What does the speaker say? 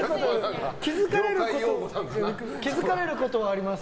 気づかれることはあります。